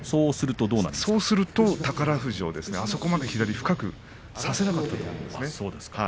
そうすると宝富士、あそこまで左深く差せなかったと思うんです。